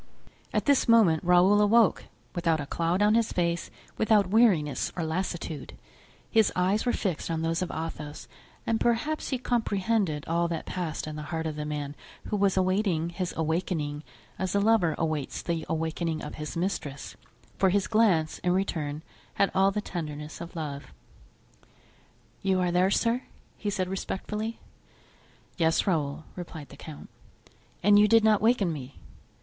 At this moment Raoul awoke, without a cloud on his face without weariness or lassitude; his eyes were fixed on those of Athos and perhaps he comprehended all that passed in the heart of the man who was awaiting his awakening as a lover awaits the awakening of his mistress, for his glance, in return, had all the tenderness of love. "You are there, sir?" he said, respectfully. "Yes, Raoul," replied the count. "And you did not awaken me?"